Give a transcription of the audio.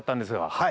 はい。